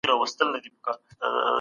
دا کار ډېر ګران وو خو تاسي کامياب سواست.